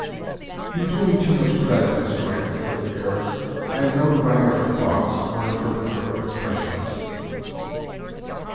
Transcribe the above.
"You do me too much credit, Miss Grant," said the heiress; "I am no diviner of thoughts, or interpreter of expressions."